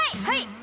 はい。